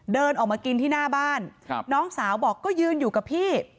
เดินออกมากินที่หน้าบ้านน้องสาวบอกก็ยืนอยู่กับพี่